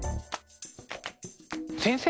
先生